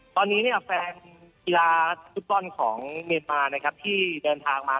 ตอนนี้เนี่ยแฟนกีฬาฟุตบอลของเมียนมานะครับที่เดินทางมา